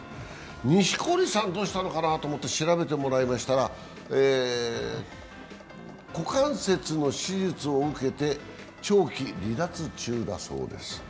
錦織さん、どうしたのかなと思って調べてもらいましたら股関節の手術を受けて長期離脱中だそうです。